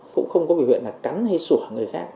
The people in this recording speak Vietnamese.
cũng không có biểu hiện là cắn hay sủa người khác